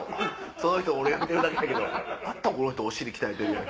その人を俺が見てるだけやけどまたこの人お尻鍛えてるやん！